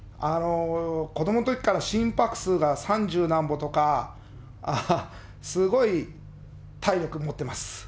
子どものときから、心拍数が三十なんぼとか、すごい体力持ってます。